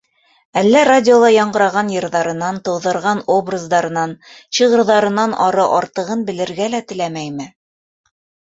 Әллә радиола яңғыраған йырҙарынан, тыуҙырған образдарынан, шиғырҙарынан ары артығын белергә лә теләмәйме?